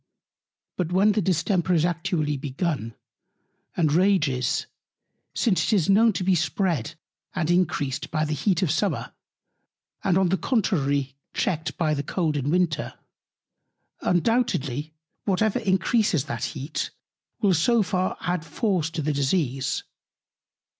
But when the Distemper is actually begun, and rages, since it is known to be spread and increased by the Heat of the Summer, and on the contrary checked by the cold in Winter; undoubtedly, whatever increases that Heat will so far add Force to the Disease.